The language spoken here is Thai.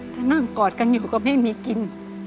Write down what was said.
ถ้านั่งกอดกันอยู่ก็ไม่มีกิน